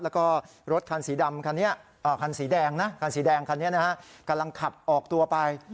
แล้วก็รถคันสีแดงคันนี้กำลังขับออกตัวไป